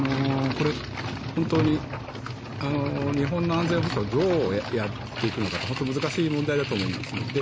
本当に日本の安全保障をどうやっていくのかって難しい問題だと思います。